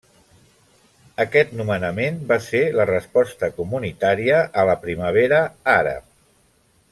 Aquest nomenament va ser la resposta comunitària a la Primavera Àrab.